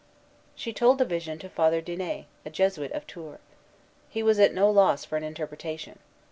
She told the vision to Father Dinet, a Jesuit of Tours. He was at no loss for an interpretation.